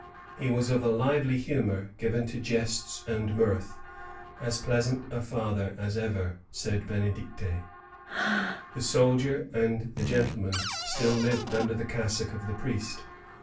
He was of a lively humor, given to jests and mirth; as pleasant a father as ever said BenedwiU. The soldier and the gentleman still lived under the cas sock of the priest.